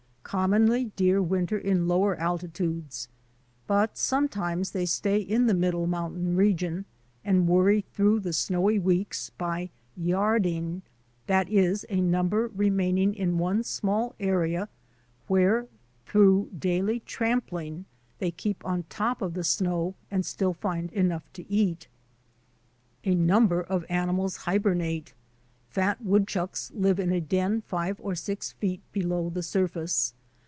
Commonly deer winter in lower altitudes, but sometimes they stay in the middle mountain region and worry through the snowy weeks by yarding — that is, a number remaining in one small area, where through daily trampling they keep on top of the snow and still find enough to eat. A number of animals hibernate. Fat wood chucks live in a den five or six feet below the sur face.